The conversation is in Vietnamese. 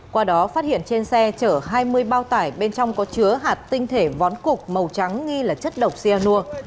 qua đó phát hiện trên xe chở hai mươi bao tải bên trong có chứa hạt tinh thể vón cục màu trắng nghi là chất độc cyanur